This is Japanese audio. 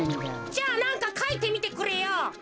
じゃあなんかかいてみてくれよ。